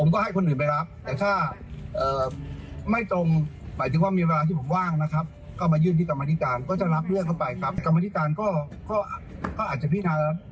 ก็มายื่นที่กรมธก็จะรับเรื่องเข้าไปกรมธก็อาจจะพินาศ